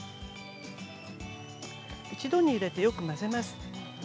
一度に入れてよく混ぜます。